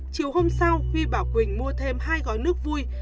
chiều hôm sau huy bảo quỳnh mua thêm hai gói nước vui